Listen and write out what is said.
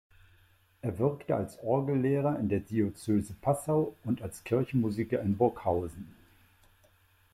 Er wirkte als Orgellehrer in der Diözese Passau und als Kirchenmusiker in Burghausen.